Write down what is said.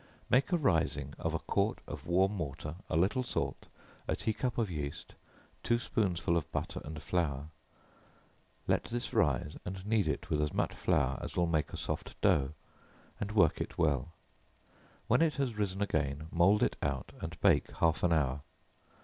Make a rising of a quart of warm water, a little salt, a tea cup of yeast, two spoonsful of butter and flour; let this rise, and knead it with as much flour as will make a soft dough, and work it well; when it has risen again, mould it out, and bake half an hour.